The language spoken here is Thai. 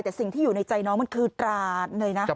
แต่สิ่งที่อยู่ในใจน้องมันคือตราเลยนะ